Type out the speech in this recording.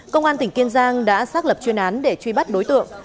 công an tỉnh kiên giang đã xác lập chuyên án để truy bắt đối tượng